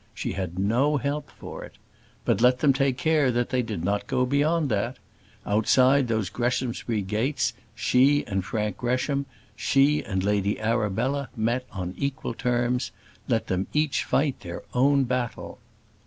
She had no help for it. But let them take care that they did not go beyond that. Outside those Greshamsbury gates she and Frank Gresham, she and Lady Arabella met on equal terms; let them each fight their own battle.